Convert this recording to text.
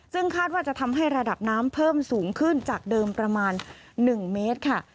ซึ่งคาดว่าจะทำให้ระดับน้ำเพิ่มสูงขึ้นจากเดิมประมาณ๑เมตรค่ะ